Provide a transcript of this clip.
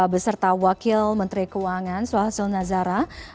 beserta wakil menteri keuangan suhasil nazara